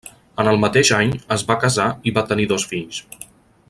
En el mateix any es va casar i va tenir dos fills.